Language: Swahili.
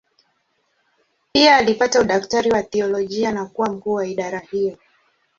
Pia alipata udaktari wa teolojia na kuwa mkuu wa idara hiyo.